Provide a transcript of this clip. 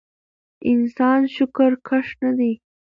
انسان شکرکښ نه دی